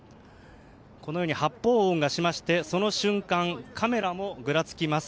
発砲音がしまして、その瞬間カメラもぐらつきます。